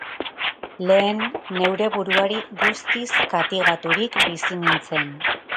Lehen, neure buruari guztiz katigaturik bizi nintzen.